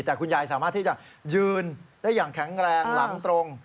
แต่คุณยายสามารถที่จะยืนได้อย่างแข็งแรงหลังตรง